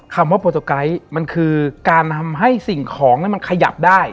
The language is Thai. คำว่าโปรโตไกด์มันคือการทำให้สิ่งของมันขยับได้